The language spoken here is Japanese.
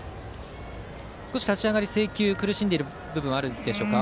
少し立ち上がり制球に苦しんでいる部分はありますか。